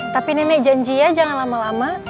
tapi nenek janji ya jangan lama lama